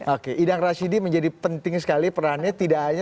oke idang rashidi menjadi penting sekali perannya